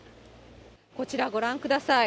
こちらご覧ください。